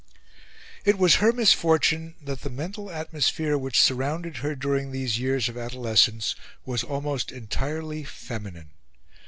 It was her misfortune that the mental atmosphere which surrounded her during these years of adolescence was almost entirely feminine.